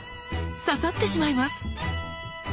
刺さってしまいます。